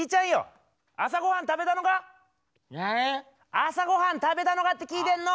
朝御飯食べたのかって聞いてんの。